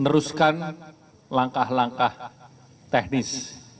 meneruskan langkah langkah teknis